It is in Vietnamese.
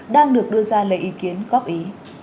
đang được đưa ra lời ý kiến góp ý